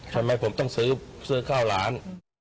ทำไมผมต้องซื้อข้าวร้าน